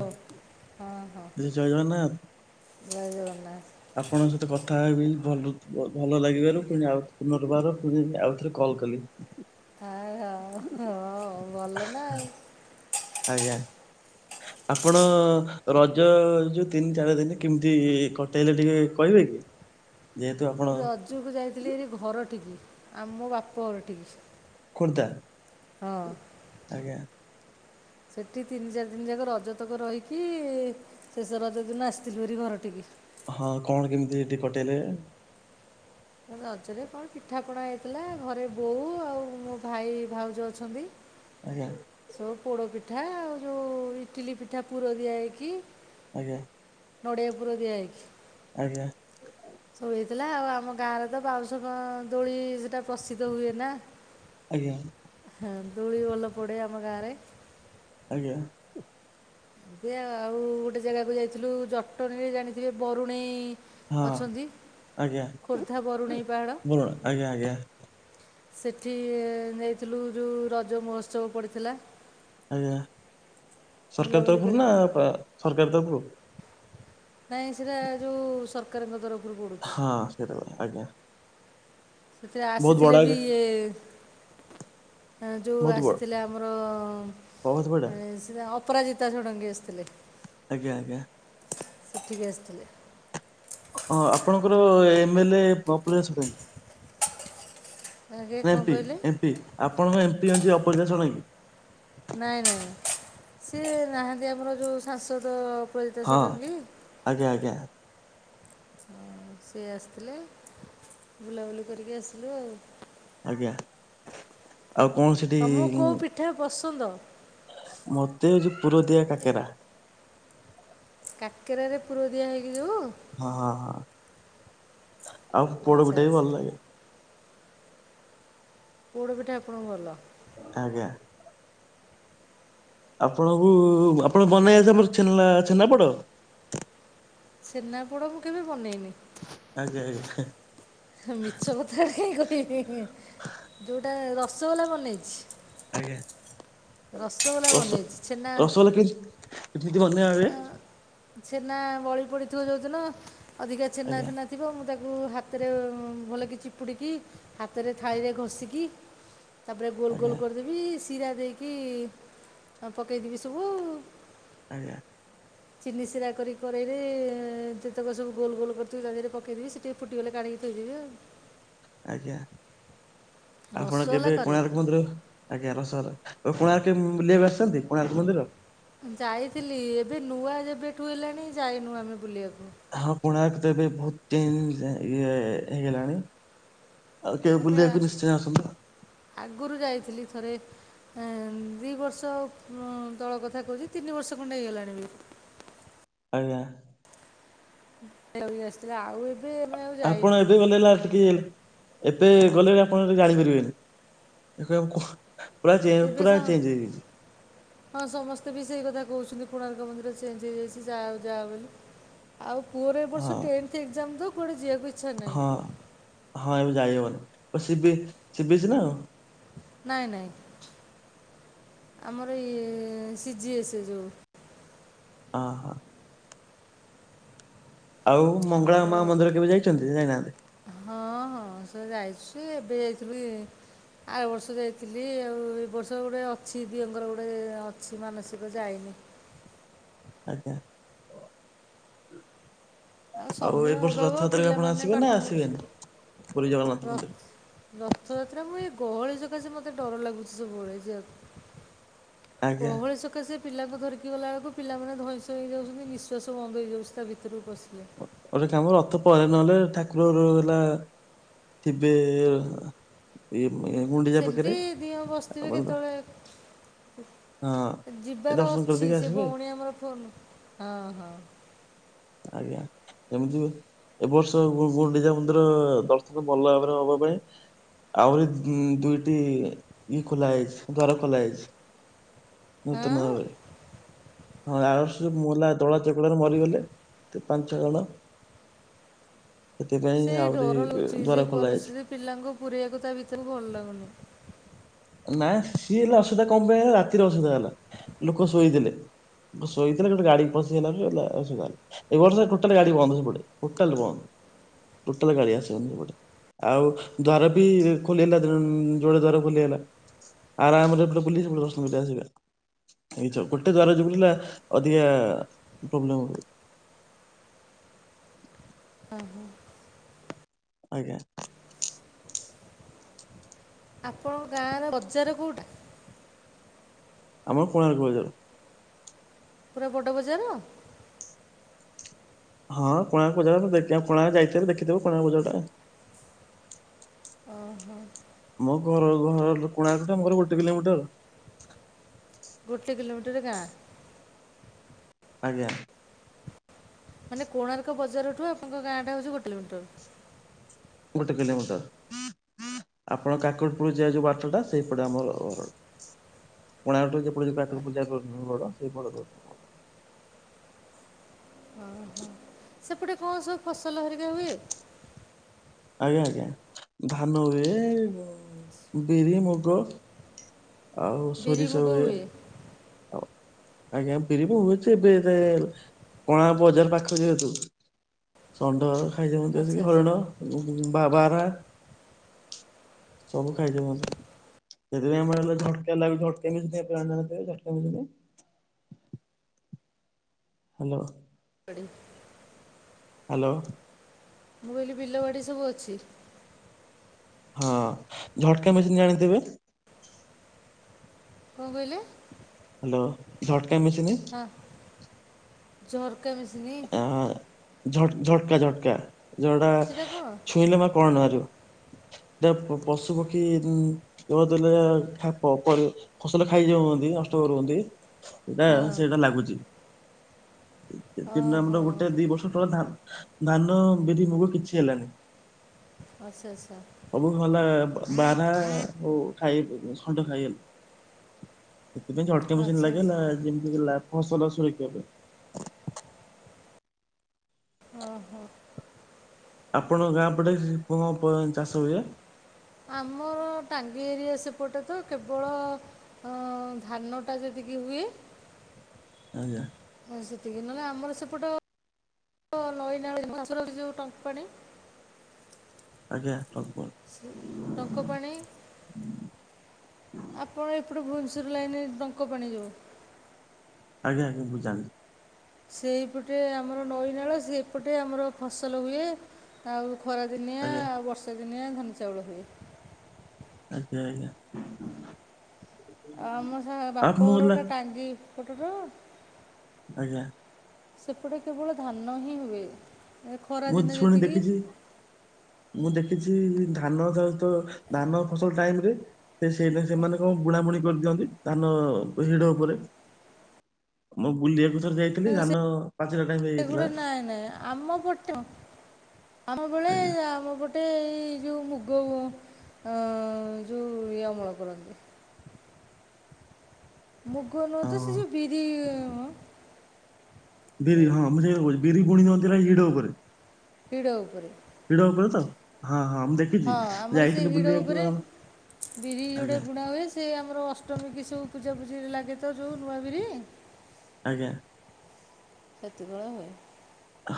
ହୁଁ। ଏ ଜୟ ଜଗନ୍ନାଥ୍। ଜୟ ଜଗନ୍ନାଥ ଆପଣଙ୍କ ସହିତ କଥା ହେବି ଭଲ ଭଲ ଲାଗିବାରୁ ପୁଣି ଆଉ ପୁନର୍ବାର ପୁଣି ଆଉ କଲ୍ କଲି। ଆ ହ ହଁ ଭଲ ନା ଆଉ। ଆଜ୍ଞା। ଆପଣ ରଜ ଯୋଉ ତିନି ଚାରି ଦିନ କେମିତି କଟେଇଲେ ଟିକେ କହିବେ କି? ଯେହେତୁ ଆପଣ ଜକୁ ଯାଇଥିଲି ଆରି ଘର ଠିକି ଆ ମୋ ବାପ ଘର୍ ଟିକି ଖୋର୍ଦ୍ଧା? ଆଜ୍ଞା। ସେଠି ତିନି ଚାରି ଦିନ ଯାକ ରଜ ତକ ରହିକି ଶେଷ ରଜ ଦିନ ଆସିଥିଲୁ ଭାରି ଘର ଠିକି। ହଁ କଣ କେମିତି ସେଠି କଟେଇଲେ? ରଜରେ କଣ ପିଠା ପଣା ହେଇଥିଲା ଘରେ ବୋଉ ଆଉ ମୋ ଭାଇ, ଭାଉଜ ଅଛନ୍ତି। ଆଜ୍ଞା। ତ ପୋଡ଼ ପିଠା ଆଉ ଯୋଉ ଇଟିଲି ପିଠା ପୁର ଦିଆ ହେଇକି। ଆଜ୍ଞା। ନଡ଼ିଆ ପୁର ଦିଆ ହେଇକି। ଆଜ୍ଞା। ସବୁ ହେଇଥିଲା ଆଉ ଆମ ଗାଁରେ ତ ବାଉଁଶ ଦୋଳି ଗଁ ସେଟା ପ୍ରସିଦ୍ଧ ହୁଏ ନା। ଆଜ୍ଞା। ହଁ ଦୋଳି ଭଲ ପଡେ ଆମ ଗାଁରେ। ଆଜ୍ଞା। ବେ ଆଉ ଗୋଟେ ଜାଗାକୁ ଯାଇଥିଲୁ ଜଟୁଣୀରେ ଜାଣିଥିବେ ବରୁଣେଇ ହଁ ଅଛନ୍ତି ଆଜ୍ଞା ଖୋର୍ଦ୍ଧା ବରୁଣେଇ ପାହାଡ଼। ବରୁଣ ଆଜ୍ଞା ଆଜ୍ଞା ସେଠି ନେଇଥିଲୁ ଯେଉ ରଜ ମହୋତ୍ସବ ପଡ଼ିଥିଲା। ଆଜ୍ଞା ସରକାର ବୁଲାବୁଲି ତରଫରୁ କରି ନା ପା-ସରକାର ତରଫରୁ? ନାଇଁ ସେଟା ଯୋଉ ସରକାରଙ୍କ ତରଫରୁ ପଡୁଛି। [unintelligible] ଆଜ୍ଞା। ସେଥିରେ ବହୁତ ବଡ ଆସିଥିଲେ ବି ଆଜ୍ଞା ଇଏ ଯେଉଁ ବହୁତ ବଡ ଆସିଥିଲେ ଆମର ବହୁତ ବଡ ଅପରାଜିତା ଷଡ଼ଙ୍ଗୀ ଆସିଥିଲେ। ଆଜ୍ଞା ଆଜ୍ଞା। [inaudible] ସେଠିକି ଆସିଥିଲେ। ହଁ ଆପଣଙ୍କର ଏମ ଏଲ ଏ [unintelligible] ତାଙ୍କେ କ'ଣ ଏମ୍ କହିଲେ ପି-ଏମ୍ ପି ଆପଣଙ୍କ ଏମ୍ ପି ଅଛି ଅପରାଜିତା ଷଡ଼ଙ୍ଗୀ? ନାଇଁ ନାଇଁ ସିଏ ନାହାନ୍ତି ଆମର ଯୋଉ ସାଂସଦ ଅପରାଜିତା ହଁ ଷଡଙ୍ଗୀ। ଆଜ୍ଞା ଆଜ୍ଞା। ସିଏ ଆସିଥିଲେ, ବୁଲାବୁଲି କରିକି ଆସିଲୁ ଆଉ। ଆଜ୍ଞା। ଆଉ କଣ ସି ତମକୁ କୋଉ ପିଠା ପସନ୍ଦ? ମତେ ହଉଛି ପୁରଦିଆ କାକେରା। କାକେରା ରେ ପୁର ଦିଆ ହୋଇକି ଯୋଉ? ହଁ ହଁ ଅ ଆଉ ଆଚ୍ଛା ପୋଡପିଠା ବି ଆଚ୍ଛା ଭଲ ଲାଗେ। ପୋଡ଼ ପିଠା ଆପଣ ଙ୍କୁ ଭଲ? ଆଜ୍ଞା। ଆପଣଙ୍କୁ ଆପଣ ବନେଇ ଆସେ ଆମ ଛେନା ଛେନାପୋଡ? ଛେନାପୋଡ ମୁଁ କେବେ ବନେଇନି। ଆଜ୍ଞା ଆଜ୍ଞା। ମିଛ କଥାଟା କାଇଁ କହିବି ଯୋଉଟା ରସଗୋଲା ବନେଇଛି। ଆଜ୍ଞା। ରସଗୋଲା ରସ ବନେଇଛି ଛେନା ରସଗୋଲା [inaudible] ଅ, ଛେନା ବଳି ପଡିଥିବ ଯୋଉଦିନ ଅଧିକା ଆଜ୍ଞା ଛେନାଫେନା। ଥିବ ମୁଁ ତାକୁ ହାତରେ ଭଲକି ଚିପୁଡ଼ିକି ହାତେ ରେ ଥାଳି ରେ ଘଷିକି। ତା'ପରେ ଗୋଲ୍ ଗୋଲ୍ ଆଜ୍ଞା କର୍ ଦେବି, ଶିରା ଦେଇକି ପକେଇ ଦେବି ସବୁ ଆଉ। ଆଜ୍ଞା। ଚିନି ସିରା କରି କରେଇରେ ଯେତକ ସବୁ ଗୋଲ ଗୋଲ କରିଥିବି ତା ଦେହରେ ପକେଇଦେବି ସେଟିଏ ଫୁଟି ଗଲେ କାଢ଼ିକି ଥୋଇ ଦେବି ଆଉ। ଆଜ୍ଞା ଆପଣ ରସଗୋଲା କେବେ କରେ କୋଣାର୍କ ମନ୍ଦିର ଆଜ୍ଞା ରସରା ଆଉ କେବେ କୋଣାର୍କ ଆସିଛନ୍ତି କୋଣାର୍କ ମନ୍ଦିର? ଯାଇଥିଲି ଏବେ ନୂଆ ଯେବେଠୁ ହେଲାଣି ଯାଇନୁ ଆମେ ବୁଲିବାକୁ। ହଁ କୋଣାର୍କ ତ ଏବେ ବହୁତ ଚେଞ୍ଜ ଇଏ ହେଇଗଲାଣି। ଆଉ କେବେ ଆମେ ବୁଲିବାକୁ ନିଶ୍ଚୟ ଆସନ୍ତୁ ଆଉ। ଆଗରୁ ଯାଇଥିଲି ଥରେ। ଏ ଦିି ବର୍ଷ ତଳ କଥା କହୁଛି ତିନି ବର୍ଷ ଖଣ୍ଡେ ହେଇଗଲାଣି ବି। ଆଜ୍ଞା। [unintelligible] ଆସିଥିଲେ ଆଉ ଏ ବି ଏବେ ଆଉ ଆପଣ ଯାଇନୁ ଏବେ ଗଲେ ହେଲା ଆଟକି। ଏବେ ଗଲେ ଆପଣ ଟିକେ ଜାଣିପାରିବେନି କ କୋଉ ଏବେଷ ହଁ ସମସ୍ତେ ବି ସେଇ କଥା କହୁଚନ୍ତି, କୁଣାର୍କ ମନ୍ଦିର ଚେଞ୍ଚ୍ ହେଇଯାଇଚି ଯାଅ ଯାଅ ବଲି। ଆଉ ପୁଅର ଏ ବର୍ଷ ହଁ ଟେନ୍ଥ ଏକ୍ଜାମ ତ୍ କୁଆଡେ ଯିବାକୁ ଇଚ୍ଛା ନାହିଁ। ହଁ ହଁ ଏବେ ଯାଇହବନିି ସିବି ସିବିଏସି ନା କଣ? ନାଇଁ ନାଇଁ ଆମର ଇଏ ସିଜି ଏସ ଯୋଉ ଓହୋ। ଆଉ ମଙ୍ଗଳା ମା ଆଉ ମନ୍ଦିର କେବେ ଯାଇଛନ୍ତି ଯାଇନାହାନ୍ତି? ହଁ ହଁ ସେ ଯାଇଚି, ଏବେ ଯାଇ ଥିଲି। ଆର ବର୍ଷ ଯାଇଥିଲି ଆଉ ଏ ବର୍ଷ ଗୋଟେ ଅଛି ଦିଅଙ୍କର ଗୋଟେ ଅଛି ମାନସିକ ଯାଇନି। ଆଜ୍ଞା। ଆଉ ସମୟ ଏ ବର୍ଷ ଅଭାବ ରଥଯାତ୍ରାରେ ଆପଣ ପିଲାମାନେ ଆସିବେ ପାଠ ନା ପଢୁଛନ୍ତି ଆସିବେନି? ପୁରୀ ଜଗନ୍ନାଥ ରଥ ମନ୍ଦିର? ରଥଯାତ୍ରା ମୁଁ ଏ ଗହଳି ସକାସେ ମୋତେ ଡର ଲାଗୁଛି ସବୁବେଳେ ଯିବାକୁ। ଆଜ୍ଞା ଗହଳି ସକାସେ ପିଲାକୁ ଧରିକି ଗଲାବେେଳକୁ ପିଲାମାନେ ଧଇଁ ସଇଁ ହେଇଯାଉଛନ୍ତି ନିଶ୍ୱାସ ବନ୍ଦ ହେଇଯାଉଛି ତା ଭିତରକୁ ପଶିଲେ। ଗୋଟେ କାମ ରଥ ପରେ ନହେଲେ ଠାକୁର ରୁ ହେଲା ଥିବେ ଏ ଏ ଏଇ ମୁ ସେମିତି ଦିଅଁ ବସିଥିବେ କେତେବେଳେ। ହଁ ଏ ଯିବାର ଦର୍ଶନ ଅଛି କରିଦେଇକି ସେ ଆସିବେ ଭଉଣୀ ଆମର ଫୋନ, ହଁ ହଁ। ଆଜ୍ଞା ଏମିତି ବି ଏ ବର୍ଷ ଗୁ-ଗୁଣ୍ଡିଚା ମନ୍ଦିର ଦର୍ଶନ ଭଲ ଭାବରେ ହବା ପାଇଁ ଆହୁରି ଦି ଦୁଇଟି ଇଏ ଖୋଲା ହୋଇଛି ଦ୍ୱାର ଖୋଲା ହୋଇଛି। ନୂତନ ହଁ ଭାବେ। ହଁ ଆର ବର୍ଷ ଦଳା ଚକଟା ରେ ମରିଗଲେ ପାଞ୍ଚ ଛଅ ଜଣ। ସେଥିପାଇଁଁ ସେଇ ଆହୁରି ଡର ଲାଗୁଛି ସେଇ ଦ୍ଵାର ଖୋଲା ହେଇଛି। ପରିସ୍ଥିତି ପିଲାଙ୍କୁ ପୁରେଇବାକୁ ତା ଭିତରକୁ ଭଲ ଲାଗୁନି। ନା ସିଏ ହେଲେ ଅସୁବିଧା କଣ ପାଇଁ ହେଲା, ରାତିରେ ଅସୁବିଧା ହେଲା ଲୋକ ଶୋଇଥିଲେ। ଲୋକ ଶୋଇଥିଲେ ଗୋଟେ ଗାଡି ପଶିଗଲା ଠୁ ହେଲା ଅସୁବିଧା ହେଲା। ଏ ବର୍ଷ ଟୋଟଲ ଗାଡି ବନ୍ଦ ସେପଟେ ଟୋଟାଲ ବନ୍ଦ ଟୋଟାଲ ଗାଡି ଆସିବନି ସେପଟେ। ଆଉ ଦ୍ୱାର ବି ଖୋଲି ଗଲା ଦିନ ଯୋଡେ ଦ୍ୱାର ଖୋଲି ଗଲା। ଆରାମ ରେ ଏପଟେ ବୁଲି ସେପଟେ ଦର୍ଶନ କରି ଆସିବେ। ଏଇଛ ଗୋଟେ ଦ୍ଵାର ଯୋଉ ଥିଲା ଅଧିକା ପ୍ରୋବ୍ଲେମ ହଉଥିଲା। ଓହୋ। ଆଜ୍ଞା। ଆପଣଙ୍କ ଗାଁର ବଜାର କୋଉଟା? ଆମର କୋଣାର୍କ ବଜାର। ପୁରା ବଡ଼ ବଜାର? ହଁ କୋଣାର୍କ ବଜାର ଦେ କୋଣାର୍କ ଯାଇଥିବ ଦେଖିଥିବ କୋଣାର୍କ ବଜାର ଟା। ଓହୋ। ମୋ ଘର ଘର କୋଣାର୍କ ଠୁ ଆମ ଘର ଗୋଟେ କିଲୋମିଟର। ଗୋଟେ କିଲୋମିଟରରେ ଗାଁ? ଆଜ୍ଞା। ମାନେ କୋଣାର୍କ ବଜାରଠୁ ଆପଣଙ୍କ ଗାଁଟା ହଉଛି ଗୋଟେ କିଲୋମିଟର? ଗୋଟେ କିଲୋମିଟର। ଆପଣ କାକତପୁର ଯିବା ଯୋଉ ବାଟ ଟା ସେଇପଟେ ଆମର ଘର। କୋଣାର୍କଠୁ ସେପଟ ଯୋଉ କାକଟପୁର ଯିବା ପାଇଁ ରୋଡ ସେପଟ ରୋଡ। ଅ ହଁ। ସେପଟେ କଣ ସବୁ ଫସଲ ହେରିକା ହୁଏ? ଆଜ୍ଞା ଆଜ୍ଞା ଧାନ ହୁଏ ଉମ ବିରି, ମୁଗ। ଆଉ ବିରି ସୋରିଷ ମୁଗ ହୁଏ ଆଉ। ଆଜ୍ଞା ଫେରିବୁ [unintelligible] କଣା ବଜାର ପାଖରେ ଯେହେତୁ। ଷଣ୍ଢ ଖାଇ ଯାଉ ଆଚ୍ଛା ଆସିକି ଆଚ୍ଛା ହରିଣ ବା ବାରାହା। ସବୁ ଖାଇ ଯାଉଛନ୍ତି ସେଥିପାଇଁ ଆମର ଘଣ୍ଟେ ଲାଗୁଥିବ [unintelligible] ହ୍ୟାଲୋ। ଏଡି ହାଲୋ। ମୁଁ କହିଲି ବିଲବାଡି ସବୁ ଅଛି? ହଁ ଝଟକା ମେସିନ୍ ଜାଣିଥିବେ? କଣ କହିଲେ? ହ୍ୟାଲୋ ଝଟକା ମେସିନି ହଁ ଝରକା ମେସିନି? ଆ ଝଟ୍ ଝଟକା ଝଟକା ଯୋଉଟା ସେଟା କ'ଣ ଛୁଇଁଲେ ମ କରେଣ୍ଟ ମାରିବ। ପଶୁ ପକ୍ଷୀ ଯ [unintelligible] ଉପରେ। ଖୁସଲ ଖାଇ ଯାଉ ନାହନ୍ତି ନଷ୍ଟ କରୁ ଛନ୍ତି ଏଇଟା ହଁ ସେଇଟା ଲାଗୁଛି କିନ୍ତୁ ଓହୋ ଆମର ଗୋଟେ ଦି ବର୍ଷ ତଳେ ଧା ଧାନ, ବିରି, ମୁଗ କିଛି ହେଲାନି। ଆଛା ଆଛା। ସବୁ ହେଲା ବାରହା ହଉ ଖାଇ ଖଣ୍ଡ ଖାଇଗଲେ ସେଥିପାଇଁ ଝଟକା ମେସିନ୍ ଆଚ୍ଛା ଲାଗିଲା ଆଚ୍ଛା ଯେମିତି ହେଲା ଫସଲ ସୁରକ୍ଷା ପାଇଁ ଓ ହୋ। ଆପଣଙ୍କ ଗାଁ ପଟେ କଂ କଂ ଚାଷ ହୁଏ? ଆମର ଟାଙ୍ଗି ଏରିଆ ସେପଟେ ତ କେବଳ ଅ ଧାନଟା ଯେତିକି ହୁଏ। ଆଜ୍ଞା। ହଁ ସେତିକି ନହେଲେ ଆମର ସେପଟ ନଈ, ନାଳ [unintelligible] ଯୁ ଟଙ୍କ ପାଣି ଆଜ୍ଞା ଆପଣ କୁହ ଶ୍ ଟଙ୍କପାଣି ଆପଣ ଏପଟେ ଭୋଓଶ୍ୱର ଲାଇନରେ ଟଙ୍କ ପାଣି ଜୋ ଆଜ୍ଞା ଆଜ୍ଞା ମୁଁ ଜାଣିଲି। ସେଇପଟେ ଆମର ନଈ, ନାଳ ସେ ଏପଟେ ଆମର ଫସଲ ହୁଏ ଆଉ ଖରା ଦିନିଆ ଆଜ୍ଞା ଆଉ ବର୍ଷା ଦିନିଆ ଧାନ ଚାଉଳ ହୁଏ। ଆଜ୍ଞା, ଆଜ୍ଞା। ଆ ମୋ ଶା ଆପ୍ ବାପ ମୁଁ ହେଲା ଘରଟା ଟାଙ୍ଗି ଏପଟକୁ ଆଜ୍ଞା। ସେପଟେ କେବଳ ଧାନ ହିଁ ହୁଏ। ଏ ମୁଁ ଖରାଦିନେ ଛୁଣି ଯେତିକି ଦେଖିଛି। ମୁଁ ଦେଖିଛି ଧାନ [unintelligible] ଧାନ ଫସଲ ଟାଇମ ରେ ସେ ସେଇ ରେଞ୍ ମାନଙ୍କର ବୁଣା ବୁଣି କରିଦିଅନ୍ତି। ଧାନ ହିଡ ଉପରେ ଆମେ ବୁଲିବାକୁ ଡ ଯାଇଥିଲି ଧାନ ପାଚିଲା ଟାଇମ୍ ଏଗୁଡ଼ା ହେଇଯାଇଥିଲା। ନାଇଁ ନାଇଁ ଆମ ପଟ ଆମ ବଳେ ଆଜ୍ଞା ଆମ ପଟ ଗୋଟେ ଏଇ ଯୋଉ ମୁଗ ଅ ଯୋଉ ଇଏ ଅମଳ କରନ୍ତି। ମୁଗ ନୁହଁ ତ ହଁ। ସେ ଯୋଉ ବିରି ଏ ବିରି ହଁ, ମୁଁ ସେୟା କହୁଚି ବିରି ବୁଣି ଦିୟନ୍ତି ନା ସେ ହିଡ଼ ଉପରେ? ହିଡ଼ ଉପରେ। ହିଡ଼ ଉପରେ ତ ହଁ, ହଁ, ମୁ ଦେଖ ହଁ ଆମର ସେ ହିଡ଼ ଉପରେ ବିରି ଯୋଡେ ଆଜ୍ଞା ବୁଣା ହୁଏ। ସେ ଆମର ଅଷ୍ଟମୀ କି ସବୁ ପୂଜାପୂଜିରେ ଲାଗେ ତ ଯୋଉ ନୂଆବିରି। ଆଜ୍ଞା। ସେଥିପାଇଁ ଆଉ।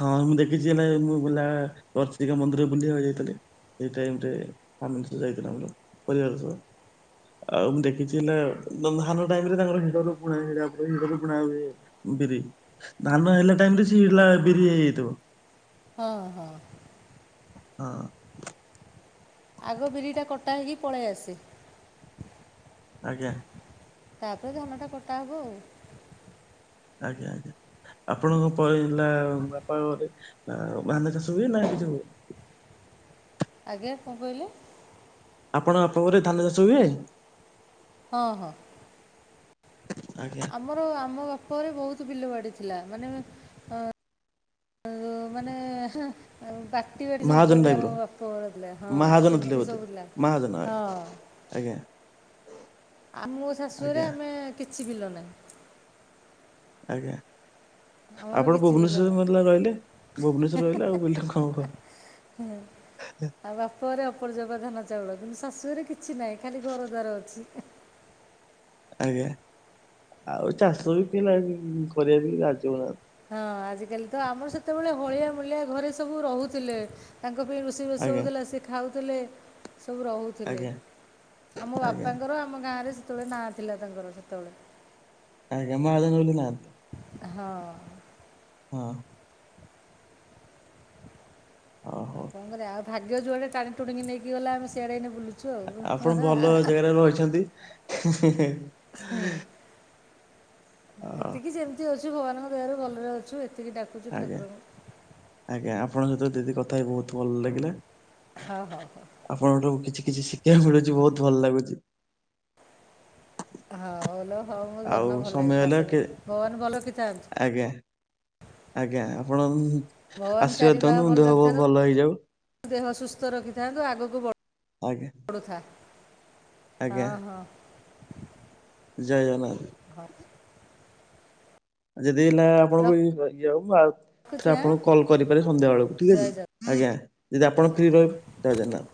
ହଁ ମୁଁ ଦେଖିଛି ହେଲେ ମୁଁ ବୁଲା ଚର୍ଚିକା ମନ୍ଦିର ବୁଲିବାକୁ ଯାଇଥିଲି। ସେଇ ଟାଇମ୍ ରେ ଆମେ ସବୁ ଯାଇଥିଲୁ ଆମର ପରିବାର ସହ। ଆଉ ମୁଁ ଦେଖିଛି ହେ ନା ଧାନ ଟାଇମ ରେ ତାଙ୍କର ହିଡରୁୁକୁଣା ହିଡ ହିଡ଼ ରୁକୁଣା ହୁଏ। ବିରି, ଧାନ ହେଲା ଟାଇମ ରେ ସିଇ ହେଲା ବିରି ହେଇଯାଇଥିବ। ହଁ, ହଁ। ହଁ। ଆଗ ବିରିଟା କଟା ହେଇକି ପଳେଇ ଆସେ। ଆଜ୍ଞା, ତାପରେ ଧାନଟା କଟା ହବ। ଆଜ୍ଞା, ଆଜ୍ଞା। ଆପଣଙ୍କ ପୈଲା ବାପା ଘରେ ଅ-ଅ ଧାନ ଚାଷ ହୁଏ ନା କିଛି ହୁ ଆଜ୍ଞା କଣ କହିଲେ? ଆପଣ ୟାପ ଘରେ ଧାନ ଚାଷ ହୁଏ? ହଁ, ହଁ। ଆଜ୍ଞା। ଆମର ଆମ ବାପଘରେ ବହୁତ ବିଲ ବାଡ଼ି ଥିଲା, ମାନେ ତ, ମାନେ ହେଂ ଆଉ ବାଟି ବାଟି ମହାଜନ ସମ୍ପତି ଟାଇପ ଆମ ର ବାପଘର ଥିଲା, ହଁ ମହାଜନ ଥିଲେ ସେମିତି ବୋଧେ। ସବୁଥିଲା, ମହାଜନ ହଁ। ଆଜ୍ଞା ଆଜ୍ଞା, ଆ, ମୋ ଶାଶୁରେ ଆମେ କିଛି ବିଲ ନାହିଁ। ଆଜ୍ଞା। ଆମର ଆପଣ କିଛି ବିଲ ଭୁବନେଶ୍ୱର ନାହିଁ ମେଲା ରହିଲେ, ଭୁବନେଶ୍ୱର ରହିଲେ ଆଉ ବିଲ କଣ ହବ। ହୁଁ, ଆଉ ବାପରେ ଅପର୍ଜକ ଧାନ, ଚାଉଳ କିନ୍ତୁ ଶାଶୁ ଘରେ କିଛି ନାହିଁ ଖାଲି ଘର ଦ୍ୱାର ଅଛି। ଆଜ୍ଞା, ଆଉ ଚାଷ ବି କିଏ ଲା-ଅ-ଅ କରିବାକୁ ବି ରାଜି ହଉନାହାନ୍ତି। ହଁ, ଆଜିକାଲି ତ ଆମର ସେତେବେଳେ ହଳିଆ ମୂଳିଆ ଘରେ ସବୁ ରହୁଥିଲେ, ତାଙ୍କ ପାଇଁ ରୁଷ୍ ଷେଇ ସବୁ ଆଜ୍ଞା। ହଉଥିଲା ସେ ଖାଉଥିଲେ, ସବୁ ରହୁଥିଲେ, ଆଜ୍ଞା ଆମ ଆଜ୍ଞା ବାପାଙ୍କର ଆମ ଗାଁ ରେ ସେତେବେଳେ ନାଁ ଥିଲା ତାଙ୍କର ସେତେବେଳେ। ଆଜ୍ଞା, ମହାଜନ ବୋଲି ନାଁ ଥି ହଁ। ହଁ। ହ, କଣ କରିବା ଆ ଭାଗ୍ୟ ଯୁଆଡେ଼ ଟାଣି ଟୁଣିକି ନେଇକି ଗଲା ଆମେ ସିଆଡେ଼ ଏଇନା ବୁଲୁ ଆ ଆପଣ ଭଲ ଜାଗାରେ ରହିଛନ୍ତି, ହି, ହି, ହି। ହୁଁ, ଅ ଏତିକି ଯେମ୍ ତି ଅଛୁ ଭଗବାନଙ୍କ ଦୟାରୁ ଭଲରେ ଅଛୁ, ଏତିକି ଡା ଆଜ୍ଞା, ଆଜ୍ଞା, ଆପଣଙ୍କ ସହିତ ଦିଦି କଥା ହେଇ ବହୁତ ଭଲ ଲାଗିଲା। ହଁ, ହଁ, ହଁ। ଆପଣଙ୍କ ଠୁ଼ କିଛି କିଛି ଶିଖୀବାକୁ ମିଳୁଛି, ବହୁତ ଭଲ ଲାଗୁଚି। ହଉ ଲୋ ହଉ ମୋ ଆଉ ଧନ ଭଲରେ ସମୟ ଥା ହେଲା ସବୁ, କେ ଭଗବାନ ଭଲରେ ରଖିଥାନ୍ତୁ। ଆଜ୍ଞା, ଆଜ୍ଞା ଆପଣ-ଅ-ଅ ଭଗବାନ ଚାରି ଆଶୀର୍ବାଦ ବାହା ଦିଅନ୍ତୁ ମୋ ଭଲ ଦେହ ପହ ରଖିଥାନ୍ତୁ ଭଲ ହେଇଯାଉ। ଦେହ ସୁସ୍ଥ ରଖିଥାନ୍ତୁ ଆଗକୁ ବ ଆଜ୍ଞା, ବଡ଼ୁଥା ଆଜ୍ଞା ହଁ, ହଁ, ଜୟ ଜଗନ୍ନାଥ। ହଁ, ଯଦି ହେଲା ଆପଣଙ୍କୁଇ। [unintelligible] ରଖୁଛି ଥରେ ଆଁ ଆପଣଙ୍କୁ କଲ୍ କରିପାରେ ସନ୍ଧ୍ୟା ବେଳକୁ ଠିକ ଜୟ ଅଛି, ଆଜ୍ଞା, ଯଦି ଆପଣ ଜଗନ୍ନାଥ ଫ୍ରି ରହିବେ ଜୟଜଗନ୍ନାଥ।